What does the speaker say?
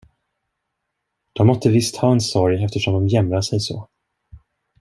De måtte visst ha en sorg, eftersom de jämrar sig så.